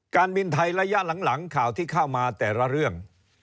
การบินไทยระยะหลังข่าวที่เข้ามาแต่ละเรื่อง